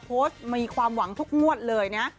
โพสต์มีความหวังทุกงวดเลยนะ